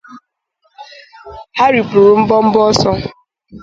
ha ripuru mbọmbọ ọsọ